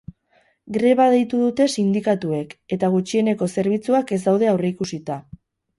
Greba deitu dute sindikatuek eta gutxieneko zerbitzuak ez daude aurreikusita.